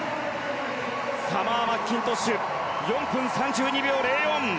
サマー・マッキントッシュ４分３２秒０４。